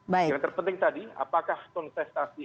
yang terpenting tadi apakah kontestasi